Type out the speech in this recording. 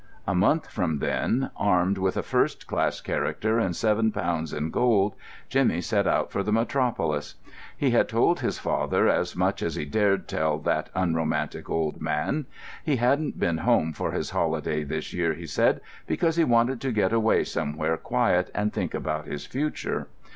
A month from then, armed with a first class character and seven pounds in gold, Jimmy set out for the metropolis. He had told his father as much as he dared tell that unromantic old man. He hadn't been home for his holiday this year, he said, because he wanted to get away somewhere quiet and think about his future.